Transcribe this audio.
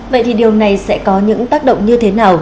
vậy thì điều này sẽ có những tác động như thế nào